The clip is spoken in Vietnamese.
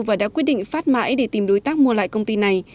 và đã quyết định phát mãi để tìm đối tác mua lại công ty này